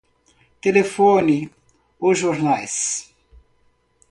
Telefone os jornais.